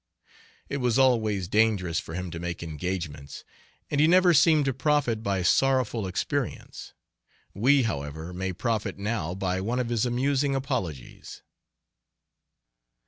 It was always dangerous for him to make engagements, and he never seemed to profit by sorrowful experience. We, however, may profit now by one of his amusing apologies.